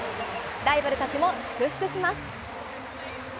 ライバルたちも祝福します。